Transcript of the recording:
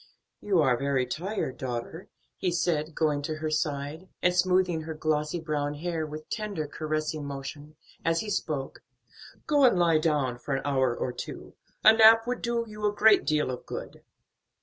"You are very tired, daughter," he said, going to her side, and smoothing her glossy brown hair with tender caressing motion, as he spoke; "go and lie down for an hour or two. A nap would do you a great deal of good."